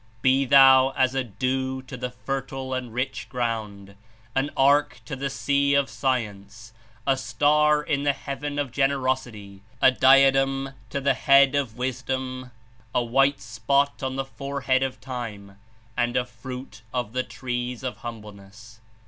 "Be thou a dew to the fertile and rich ground, an ark to the sea of science, a star in the heaven of gen erosity, a diadem to the head of wisdom, a white spot 98 on the forehead of time, and a fruit of the trees of humbleness.